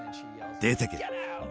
出てけ！